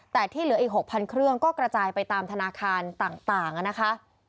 แต่ที่เหลืออีก๖๐๐เครื่องก็กระจายไปตามธนาคารต่างนะคะ